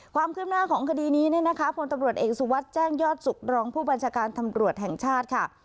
ความคืบหน้าของคดีนี้เนี่ยนะคะพลตำรวจเอกสุวัสดิ์แจ้งยอดสุขรองผู้บัญชาการตำรวจแห่งชาติค่ะ